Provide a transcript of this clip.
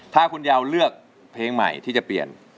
ถ้าคุณยาวเลือกเพลงใหม่ที่จะเปลี่ยน